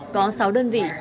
có sáu đơn vị